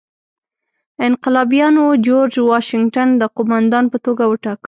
انقلابیانو جورج واشنګټن د قوماندان په توګه وټاکه.